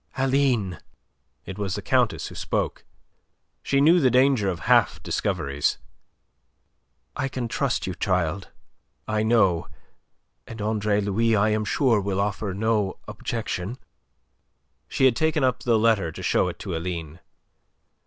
"Aline!" It was the Countess who spoke. She knew the danger of half discoveries. "I can trust you, child, I know, and Andre Louis, I am sure, will offer no objection." She had taken up the letter to show it to Aline.